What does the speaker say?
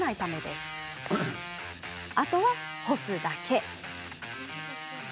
さあ、あとは干すだけ。